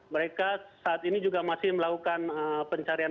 mereka saat ini juga masih melakukan pencarian